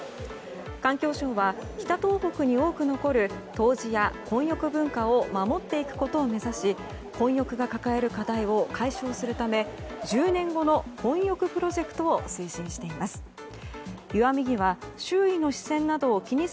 環境省は、北東北に多く残る湯治や混浴文化を守っていくことを目指し混浴が抱える課題を解消するため１０年後の混浴プロジェクトを推進しています。